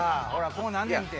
こうなんねんて。